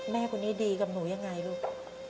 แม่คนนี้ดีกับหนูยังไงลูก